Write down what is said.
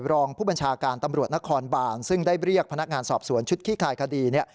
รองผู้บัญชาการตำรวจนครบานซึ่งได้เรียกพนักงานสอบสวนชุดขี้คายคดี